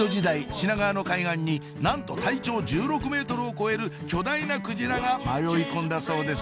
品川の海岸になんと体長１６ｍを超える巨大な鯨が迷い込んだそうです